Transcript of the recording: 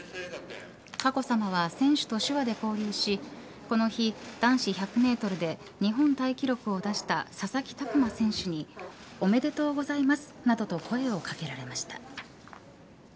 佳子さまは選手と手話で交流しこの日、男子１００メートルで日本タイ記録を出した佐々木琢磨選手におめでとうございますなどと声を掛けられました。